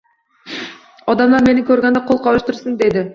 Odamlar meni ko’rganda qo’l qovushtirsin dedi.